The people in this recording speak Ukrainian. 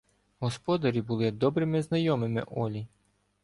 Господарі були добрими знайомими Олі.